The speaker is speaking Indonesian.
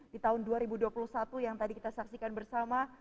di tahun dua ribu dua puluh satu yang tadi kita saksikan bersama